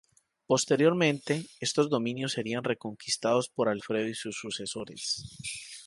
Posteriormente, estos dominios serían reconquistados por Alfredo y sus sucesores.